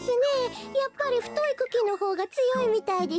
やっぱりふといクキのほうがつよいみたいですよ。